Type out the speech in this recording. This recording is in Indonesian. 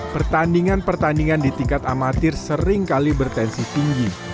pertandingan pertandingan di tingkat amatir sering kali bertensi tinggi